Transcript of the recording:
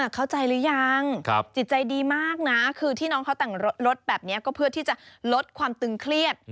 เข้าใจหรือยังจิตใจดีมากนะคือที่น้องเขาแต่งรถแบบนี้ก็เพื่อที่จะลดความตึงเครียด